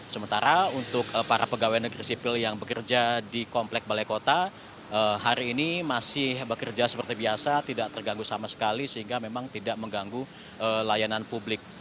sementara untuk para pegawai negeri sipil yang bekerja di komplek balai kota hari ini masih bekerja seperti biasa tidak terganggu sama sekali sehingga memang tidak mengganggu layanan publik